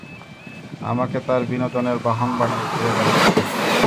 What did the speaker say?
আমাকে তার বিনোদনের বাহন বানিয়ে ঘুরে বেড়াচ্ছে।